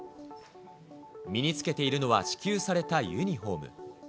身に着けているのは支給されたユニホーム。